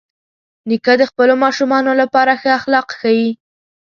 نیکه د خپلو ماشومانو لپاره ښه اخلاق ښيي.